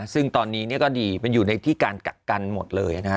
ซึ่งตอนนี้ก็ดีมันอยู่ในที่การกักกันหมดเลยนะฮะ